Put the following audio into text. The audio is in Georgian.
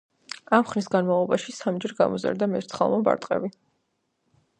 ამ ხნის განმავლობაში სამჯერ გამოზარდა მერცხალმა ბარტყები